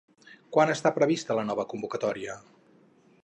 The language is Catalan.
Quan està prevista la nova convocatòria?